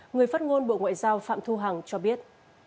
người phát ngôn bộ ngoại giao phạm thu hằng cho biết